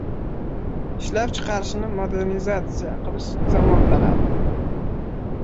Ishlab chiqarishni modernizatsiya qilish zamon talabi